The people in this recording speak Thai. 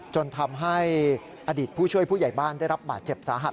จนทำให้อดีตผู้ช่วยผู้ใหญ่บ้านได้รับบาดเจ็บสาหัส